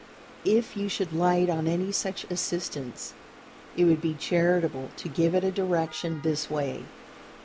If you should light on any such assistance, it would be charitable to give it a direction this way.